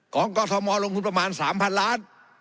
ของกฏธมอลลงทุนประมาณ๓๐๐๐ล้าน